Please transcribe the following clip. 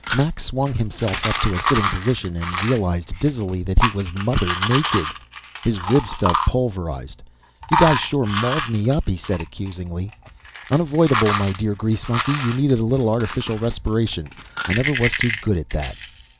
Mac swung himself up to a sitting position and realized dizzily that he was mother naked. His ribs felt pulverized. "You guys sure mauled me up," he said accusingly. "Unavoidable, my dear grease monkey. You needed a little artificial respiration; I never was too good at that."